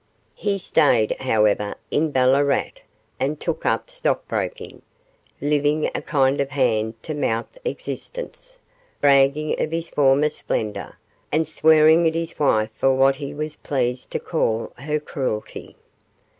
He stayed, however, in Ballarat, and took up stockbroking living a kind of hand to mouth existence, bragging of his former splendour, and swearing at his wife for what he was pleased to call her cruelty.